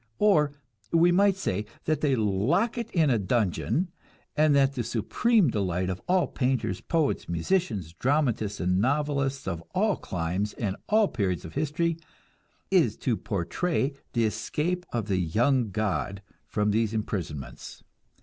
Or we might say that they lock it in a dungeon and that the supreme delight of all the painters, poets, musicians, dramatists and novelists of all climes and all periods of history, is to portray the escape of the "young god" from these imprisonments.